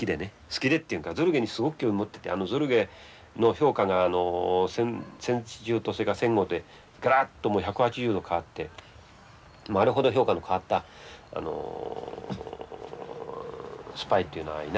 好きでっていうかゾルゲにすごく興味を持っててゾルゲの評価が戦中とそれから戦後でがらっと１８０度変わってあれほど評価の変わったスパイというのはいないと思うんだけど。